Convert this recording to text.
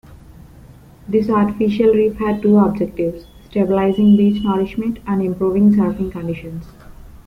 This artificial reef had two objectives: stabilizing beach nourishment and improving surfing conditions.